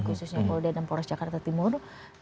khususnya polri danem polres jakarta timur